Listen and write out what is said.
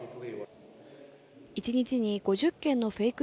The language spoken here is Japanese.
１日に５０件のフェイク